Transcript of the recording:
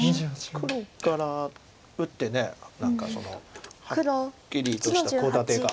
黒から打って何かはっきりとしたコウ立てが。